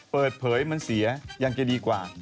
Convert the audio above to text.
เปิดเผยมันเสียยังจะดีกว่า